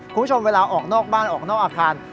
คุณผู้ชมเวลาออกนอกบ้านออกนอกอาคาร